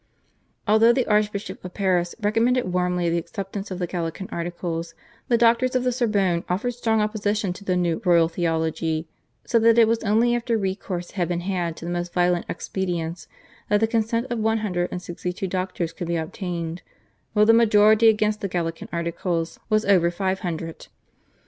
Although the Archbishop of Paris recommended warmly the acceptance of the Gallican Articles the doctors of the Sorbonne offered strong opposition to the new royal theology, so that it was only after recourse had been had to the most violent expedients that the consent of one hundred and sixty two doctors could be obtained, while the majority against the Gallican Articles was over five hundred.